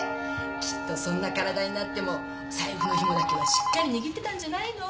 きっとそんな体になっても財布の紐だけはしっかり握ってたんじゃないの？